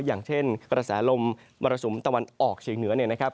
อย่างเช่นกระแสลมมรสุมตะวันออกเฉียงเหนือเนี่ยนะครับ